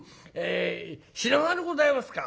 品川でございますか？